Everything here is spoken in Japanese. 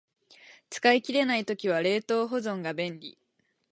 使い切れない時は冷凍保存が便利